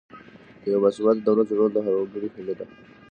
د یو باثباته دولت جوړول د هر وګړي هیله ده.